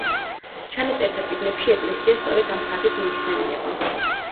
ჩანაწერთა წიგნებში ეკლესია სწორედ ამ სახით მოიხსენიება.